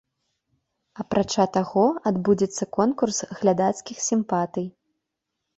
Апрача таго, адбудзецца конкурс глядацкіх сімпатый.